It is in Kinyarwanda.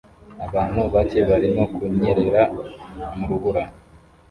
Abantu bake barimo kunyerera mu rubura